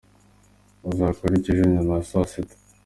Uzakora iki ejo nyuma ya saa sita?